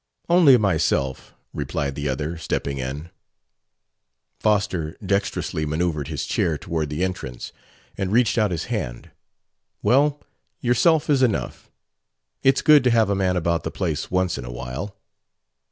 "Only myself," replied the other, stepping in. Foster dextrously manoeuvred his chair toward the entrance and reached out his hand. "Well, yourself is enough. It's good to have a man about the place once in a while.